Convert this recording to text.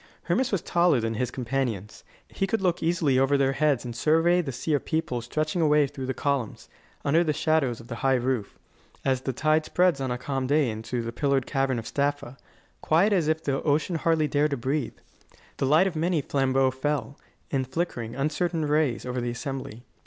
Hermas was taller than his companions; he could look easily over their heads and survey the sea of people stretching away through the columns, under the shadows of the high roof, as the tide spreads on a calm day into the pillared cavern of Staffa, quiet as if the ocean hardly dared to breathe. The light of many flambeaux fell, in flickering, uncertain rays, over the assembly.